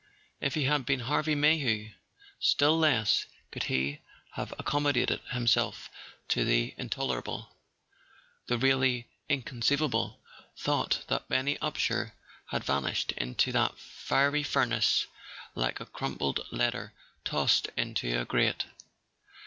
If he had been Harvey Mayhew, still less could he have accom¬ modated himself to the intolerable, the really incon¬ ceivable, thought that Benny Upsher had vanished into that fiery furnace like a crumpled letter tossed into a grate.